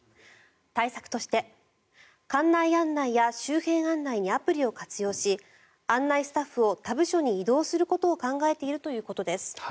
対策として館内案内や周辺案内にアプリを活用し案内スタッフを他部署に異動することを考えているということです。